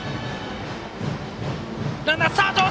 ランナー、スタート。